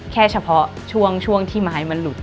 แค่เฉพาะช่วงที่ไม้มันหลุด